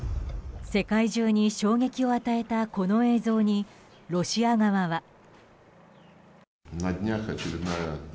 世界中に衝撃を与えたこの映像にロシア側は。